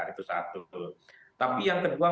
itu satu tapi yang kedua